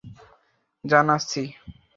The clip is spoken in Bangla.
যান, আসছি।